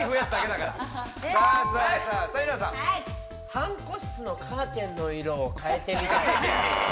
半個室のカーテンの色を変えてみたい。